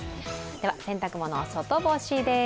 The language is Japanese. では、洗濯物外干しです。